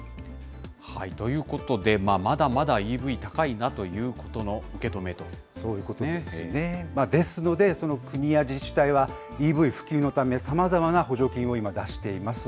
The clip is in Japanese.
ということで、まだまだＥＶ高いなということの受け止めといですので、国や自治体はＥＶ普及のためさまざまな補助金を今、出しています。